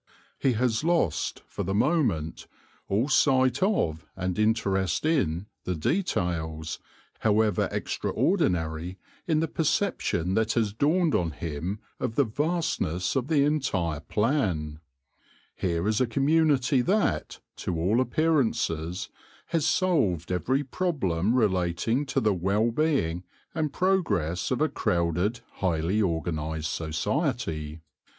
He has lost, for the mo ment, all sight of and interest in the details, however extraordinary, in the perception that has dawned on him of the vastness of the entire plan, Here is a community that, to all appearances, has solved every problem relating to the w r ell being and progress of a crowded, highly organised society.